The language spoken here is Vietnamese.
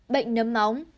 bệnh nấm móng